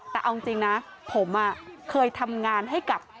แต่เอาจริงนะผมเคยทำงานให้กับ